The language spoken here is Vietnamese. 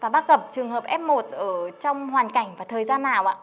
bác gặp trường hợp f một ở trong hoàn cảnh và thời gian nào ạ